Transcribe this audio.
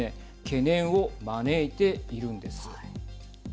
懸念を招いているんです。